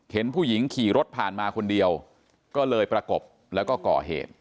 เห็นผู้หญิงขี่รถผ่านมาคนเดียวก็เลยประกบแล้วก็ก่อเหตุ